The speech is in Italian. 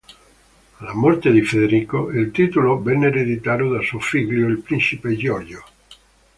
Alla morte di Federico, il titolo venne ereditato da suo figlio, il principe Giorgio.